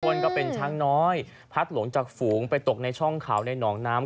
ก็เป็นช้างน้อยพัดหลงจากฝูงไปตกในช่องเขาในหนองน้ำ